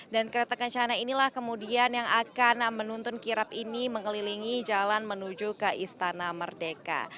dan kereta kencana inilah kemudian yang akan menonton kirap ini mengelilingi jalan menuju ke istana merdeka